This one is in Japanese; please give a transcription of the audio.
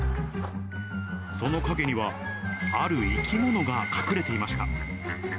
そのかげには、ある生き物が隠れていました。